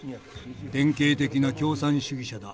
「典型的な共産主義者だ。